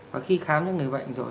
và khi khám cho người bệnh rồi